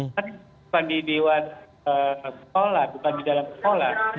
tapi bukan di dewan sekolah bukan di dalam sekolah